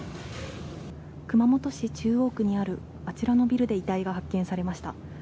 熊本市中央区にあるあちらのビルで遺体が発見されました。